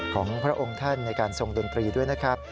ของพระองค์ท่านในการทรงดนตรีด้วยนะครับ